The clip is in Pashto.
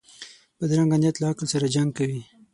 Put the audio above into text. بدرنګه نیت له عقل سره جنګ کوي